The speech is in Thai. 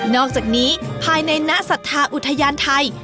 อกจากนี้ภายในนะศรัทธาอุทยานไทย